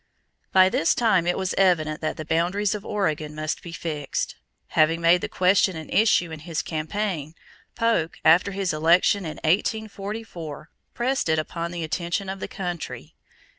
_ By this time it was evident that the boundaries of Oregon must be fixed. Having made the question an issue in his campaign, Polk, after his election in 1844, pressed it upon the attention of the country.